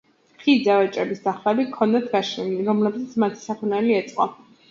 ხიდზე ვაჭრებს დახლები ჰქონდათ გაშლილი, რომლებზეც მათი საქონელი ეწყო.